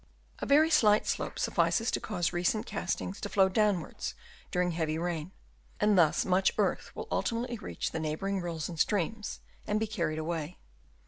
A very slight slope suffices to cause recent castings to flow downwards during heavy rain, and thus much earth will ultimately reach the neighbouring rills and streams and be carried away.